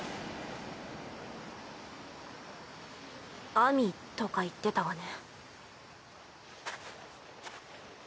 秋水とか言ってたわね。